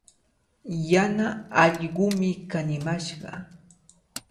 Yana allqumi kanimashqa.